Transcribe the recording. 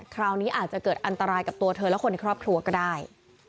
คราวนี้อาจจะเกิดอันตรายกับตัวเธอและคนในครอบครัวก็ได้